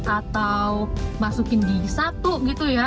atau masukin di satu gitu ya